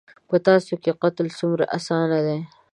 _په تاسو کې قتل څومره اسانه دی.